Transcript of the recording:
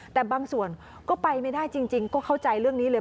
แต่บางส่วนก็ไปไม่ได้จริงก็เข้าใจเรื่องนี้เลย